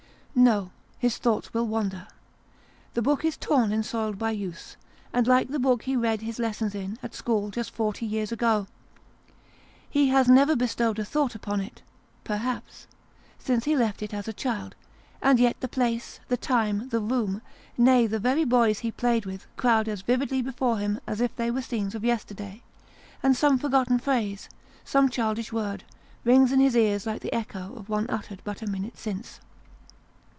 No : his thoughts will wander. The book is torn and soiled by use and like the book he read his lessons in, at school, just forty years ago ! He has never bestowed a thought upon it, perhaps, since he left it as a child : and yet the place, the time, the room nay, the very boys he played with, crowd as vividly before him as if they were scenes of yesterday ; and some forgotten phrase, some childish word, rings in his ears like the echo of one uttered but a minute since.